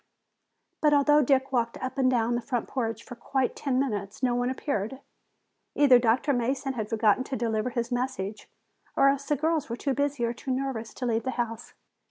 But although Dick walked up and down the front porch for quite ten minutes, no one appeared. Either Dr. Mason had forgotten to deliver his message or else the girls were too busy or too nervous to leave the house.